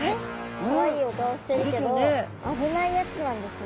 かわいいお顔しているけど危ないやつなんですね。